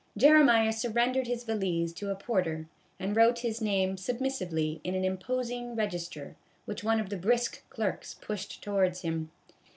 Jeremiah surrendered his valise to a porter, and wrote his name submissively in an im posing register which one of the brisk clerks pushed towards him.